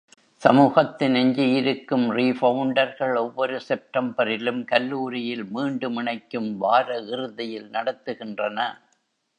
சமூகத்தின் எஞ்சியிருக்கும் 'ரிஃபவுண்டர்கள்' ஒவ்வொரு செப்டம்பரிலும் கல்லூரியில் மீண்டும் இணைக்கும் வார இறுதியில் நடத்துகின்றன.